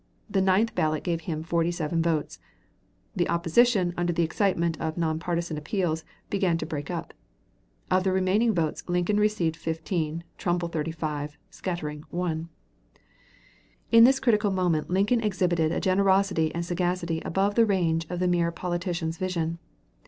The ninth ballot gave him 47 votes. The opposition under the excitement of non partisan appeals began to break up. Of the remaining votes Lincoln received 15, Trumbull 35, scattering, 1. In this critical moment Lincoln exhibited a generosity and a sagacity above the range of the mere politician's vision.